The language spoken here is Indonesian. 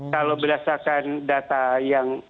kalau berdasarkan data yang